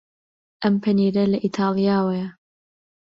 ئەم پەنیرە لە ئیتاڵیاوەیە.